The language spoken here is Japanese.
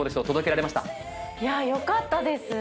よかったです！